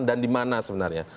dan dimana sebenarnya